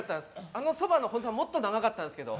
あのそばのホントはもっと長かったんですけど